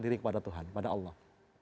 diri kepada tuhan kepada allah